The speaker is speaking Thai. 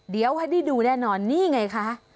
เดี๋ยวให้ได้ดูแน่นอนนี่ไงคะ